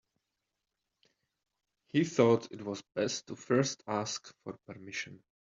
He thought it was best to first ask for permission.